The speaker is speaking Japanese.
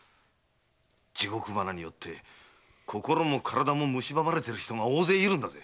地獄花によって心も体もむしばまれている人が大勢いるんだ！